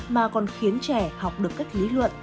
mà còn khiến trẻ học được cách lý luận